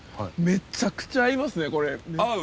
めちゃくちゃ合います。